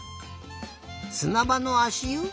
すなばのあしゆ？